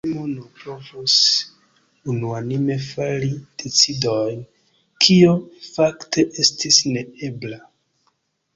La Sejmo nur povus unuanime fari decidojn, kio fakte estis ne ebla.